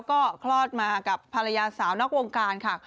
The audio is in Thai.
ก็คลอดมากับภรรยาสาวนอกวงการค่ะ